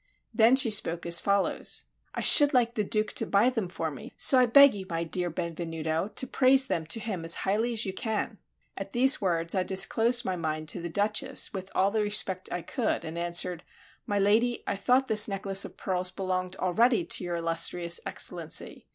Then she spoke as follows: "I should like the Duke to buy them for me; so I beg you, my dear Benvenuto, to praise them to him as highly as you can." At these words, I disclosed my mind to the Duchess with all the respect I could, and answered: "My lady, I thought this necklace of pearls belonged already to your illustrious Excellency.